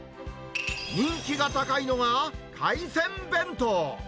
人気が高いのは海鮮弁当。